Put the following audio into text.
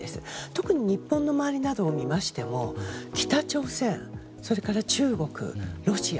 特に日本の周りなどを見ましても北朝鮮、それから中国、ロシア。